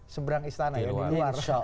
seberang istana di luar